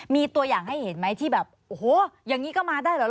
มีตัวอย่างให้เห็นไหมที่แบบโอ้โหอย่างนี้ก็มาได้เหรอ